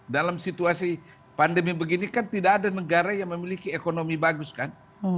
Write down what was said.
dalam situasi pandemi begini kan tidak ada negara yang memiliki ekonomi bagus kan